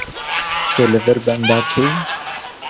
Tu li vir li benda kê yî?